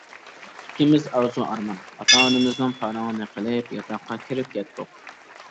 ئىككىمىز ئارزۇ ئارمان، ئاتا-ئانىمىزنىڭ پارىڭىنى قىلىپ ياتاققا كىرىپ كەتتۇق.